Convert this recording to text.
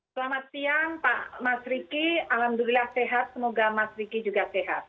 selamat siang pak mas riki alhamdulillah sehat semoga mas riki juga sehat